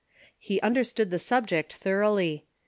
He understood the subject thoroughly.